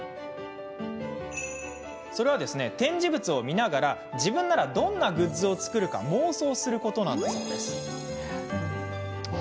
それは、展示物を見ながら自分ならどんなグッズを作るか妄想することだそうです。